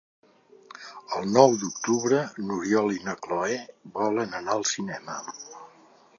El nou d'octubre n'Oriol i na Cloè volen anar al cinema.